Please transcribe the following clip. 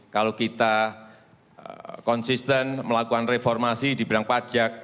kalau kita konsisten melakukan reformasi di bidang pajak